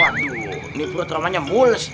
aduh ini perut rumahnya mulus